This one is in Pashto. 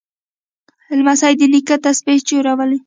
لمسی د نیکه تسبیح چورلي.